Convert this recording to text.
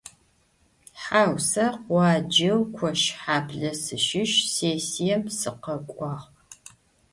Hau, se khuaceu Koşhable sışış, sêssiêm sıkhek'uağ.